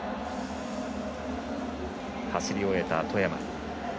走り終えた外山。